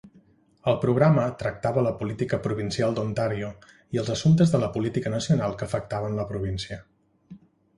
El programa tractava la política provincial d'Ontario i els assumptes de política nacional que afectaven la província.